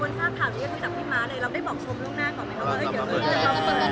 แต่คนทราบถามนี้ก็คุยกับพี่ม้าเลยเราได้บอกชมลูกแม่ก่อนไหมครับ